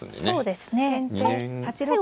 そうですね。